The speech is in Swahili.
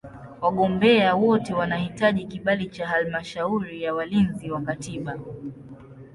Wagombea wote wanahitaji kibali cha Halmashauri ya Walinzi wa Katiba.